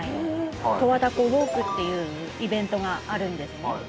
十和田湖ウォークっていうイベントがあるんですね。